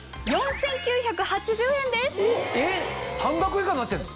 半額以下になってんの？